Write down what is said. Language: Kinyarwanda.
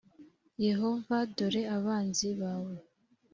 yehova dore abanzi bawe